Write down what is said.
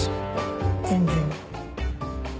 全然。